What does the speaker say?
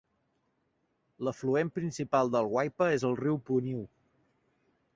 L'afluent principal del Waipa és el riu Puniu.